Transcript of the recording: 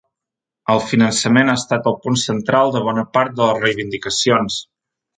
El finançament ha estat el punt central de bona part de les reivindicacions.